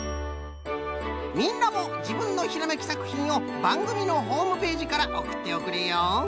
みんなもじぶんのひらめきさくひんをばんぐみのホームページからおくっておくれよ！